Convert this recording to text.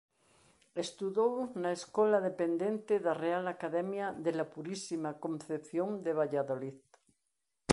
Estudou na escola dependente da Real Academia de la Purísima Concepción de Valladolid.